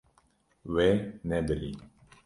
Wê nebirî.